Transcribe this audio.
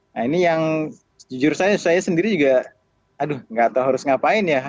nah ini yang jujur saya sendiri juga aduh nggak tahu harus ngapain ya